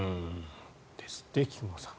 ですって、菊間さん。